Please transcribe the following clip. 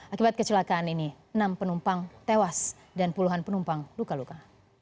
akibat kecelakaan ini enam penumpang tewas dan puluhan penumpang luka luka